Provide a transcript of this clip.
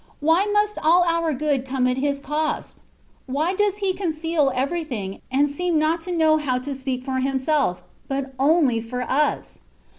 Why must all our good come at His cost ? Why does He conceal everything, and seem not to know how to sp%ak for himself, but only for us